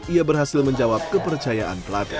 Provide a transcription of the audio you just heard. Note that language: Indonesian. ia berhasil menjawab kepercayaan pelatih